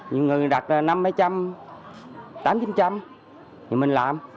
những người đặt năm bảy trăm tám chín trăm thì mình làm